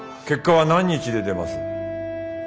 結果は何日で出ます？